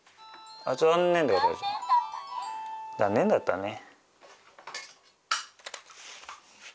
残念だったね。